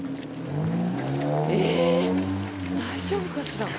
大丈夫かしら？